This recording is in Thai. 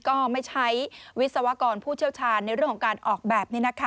ก็ไม่ใช้วิศวกรผู้เชี่ยวชาญในเรื่องของการออกแบบ